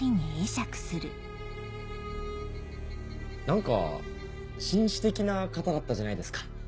何か紳士的な方だったじゃないですか。